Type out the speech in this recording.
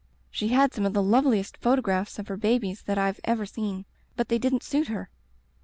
She had some of the loveliest photographs of her babies that I've ever seen. But they didn't suit her.